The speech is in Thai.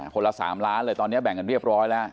คนละ๓ล้านเลยตอนนี้แบ่งกันเรียบร้อยแล้ว